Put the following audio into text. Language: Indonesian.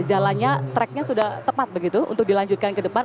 jalannya tracknya sudah tepat begitu untuk dilanjutkan ke depan